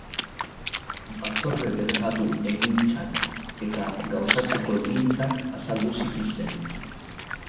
Batzorde delegatu egintzak eta gauzatzeko egintzak azaldu zituzten.